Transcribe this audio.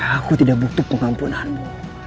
aku tidak butuh pengampunanmu